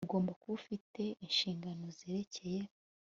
ugomba kuba afite inshingano zerekeye